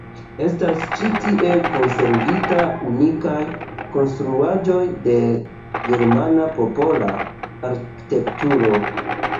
Estas ĉi tie konservita unikaj konstruaĵoj de germana popola arkitekturo.